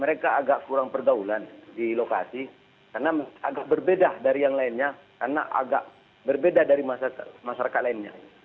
mereka agak kurang pergaulan di lokasi karena agak berbeda dari yang lainnya karena agak berbeda dari masyarakat lainnya